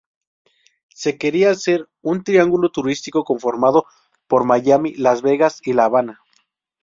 Se quería hacer un triángulo turístico conformado por Miami, Las Vegas y La Habana.